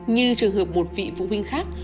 như trường hợp một vị phụ huynh khác